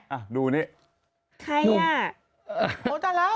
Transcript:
อ่ะดูนี่หูหนูโอ้ลง